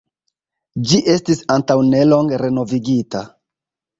Ĝi estis antaŭnelonge renovigita.